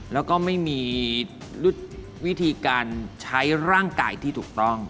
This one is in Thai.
แล้วก็ไม่มีวิธีการใช้ร่างกายที่ถูกต้อง